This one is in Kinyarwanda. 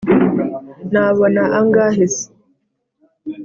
nabona angahe se?